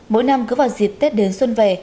mỗi năm cứ vào dịp tết đến xuân về